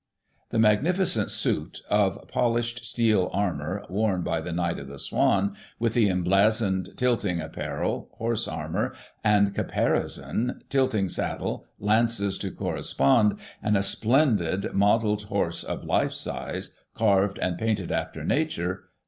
The magnificent suit of polished steel armour, worn by the Knight of the Swan, with the emblazoned tilting apparel, horse armour, and caparison, tilting saddle, lances to corres pond, and a splendid modelled horse of life size, carved and painted after nature, £2^.